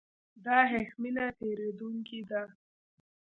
دا هښمه تېرېدونکې ده.